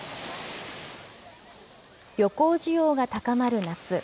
旅行需要が高まる夏。